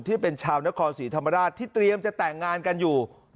ที่เป็นชาวนครศรีธรรมราชที่เตรียมจะแต่งงานกันอยู่